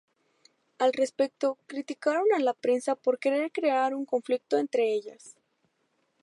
Al respecto, criticaron a la prensa por querer crear un conflicto entre ellas.